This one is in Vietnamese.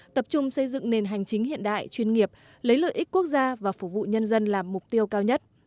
tập trung xây dựng nền hành chính hiện đại chuyên nghiệp lấy lợi ích quốc gia và phục vụ nhân dân làm mục tiêu cao nhất